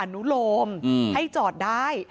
ปล่อยละครับ